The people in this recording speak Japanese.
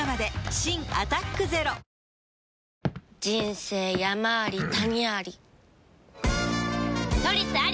新「アタックＺＥＲＯ」人生山あり谷あり「トリス」あり！